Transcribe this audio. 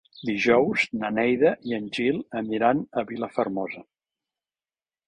Dijous na Neida i en Gil aniran a Vilafermosa.